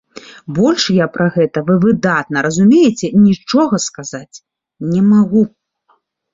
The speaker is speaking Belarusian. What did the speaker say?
Больш я пра гэта, вы выдатна разумееце, нічога сказаць не магу.